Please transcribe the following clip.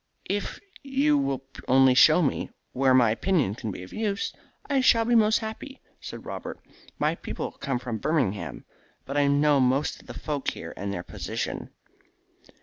"If you will only show me where my opinion can be of any use I shall be most happy," said Robert. "My people come from Birmingham, but I know most of the folk here and their position."